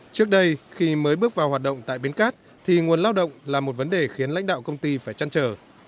trước đây khi mới bước vào hoạt động tại bến cát thì nguồn lao động là một vấn đề khiến lãnh đạo công ty phải chăn trở